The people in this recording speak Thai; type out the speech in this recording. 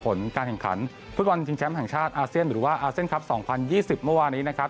ผลการแข่งขันฟุตบอลชิงแชมป์แห่งชาติอาเซียนหรือว่าอาเซียนครับ๒๐๒๐เมื่อวานนี้นะครับ